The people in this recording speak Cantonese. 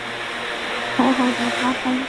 好好哋溝通